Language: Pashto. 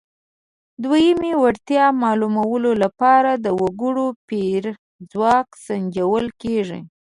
د دویمې وړتیا معلومولو لپاره د وګړو پېر ځواک سنجول کیږي.